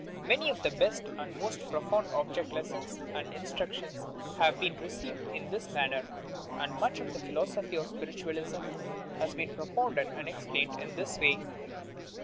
Many of the best and most profound object lessons and instructions have been received is this manner, and much of the philosophy of Spiritualism has been propounded and explained in this way.